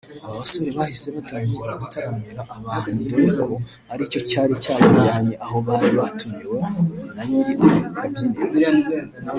Aba basore bahise batangira gutaramira abantu dore ko aricyo cyari cyabajyanye aho bari batumiwe na nyiri aka kabyiniro